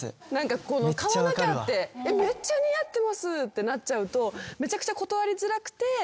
買わなきゃってめっちゃ似合ってますってなっちゃうとめちゃくちゃ。